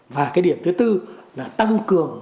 và cái điểm thứ tư là tăng cường